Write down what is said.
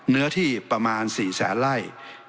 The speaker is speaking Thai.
เนื้อที่ประมาณ๔๐๐๐๐๐ไล่